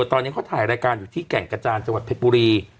ตอนนี้เขาถ่ายรายการอยู่ที่แก่งกระจานจังหวัดเพชรบุรี